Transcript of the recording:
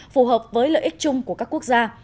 phù hợp với lợi ích chung của các quốc gia